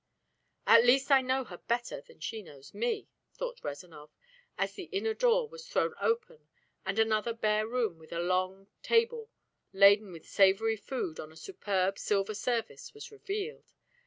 "At least I know her better than she knows me," thought Rezanov, as the inner door was thrown open and another bare room with a long table laden with savory food on a superb silver service was revealed.